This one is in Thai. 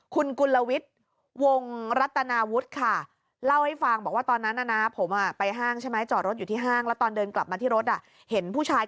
ขุนกุลวิทย์วงรัตนาวุทธ์ค่ะ